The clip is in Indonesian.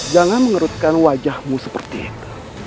jangan mengerutkan wajahmu seperti itu